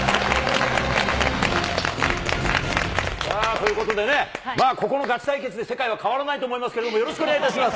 ということでね、まあここのガチ対決で世界は変わらないと思いますけれども、よろしくお願いいたします。